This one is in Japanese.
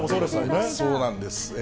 そうなんです。